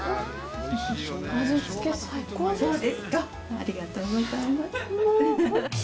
ありがとうございます。